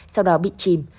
sau đó bị chìm